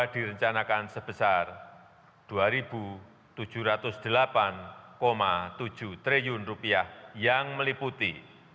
direncanakan sebesar rp dua tujuh ratus delapan tujuh triliun yang meliputi